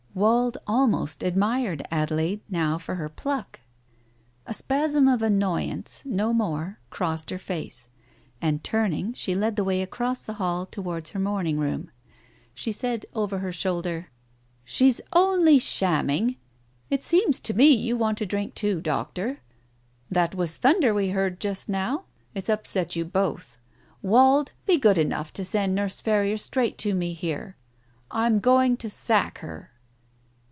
Wald almost admired Adelaide now for her pluck. A spasm of annoyance, no more, crossed her face, and turning, she led the way across the hall towards her morning room. She said over her shoulder — "She's only shamming. It seems to me you want a drink too, Doctor. That was thunder we heard just now. It's upset you both. Wald, be good enough to send Nurse Ferrier straight to me here. I'm going to sack her."